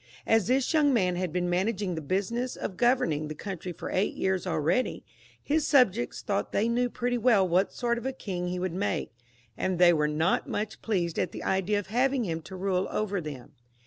As this young man had been managing the business of governing the country for eight years already, his subjects thought they knew pretty well what sort of a king he would make, and they were not much pleased at the idea of having him to rule over them.